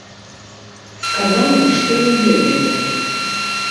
Сказала, што не ведае.